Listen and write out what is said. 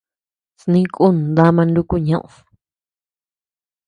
Snï kun dama nuku ñeʼed.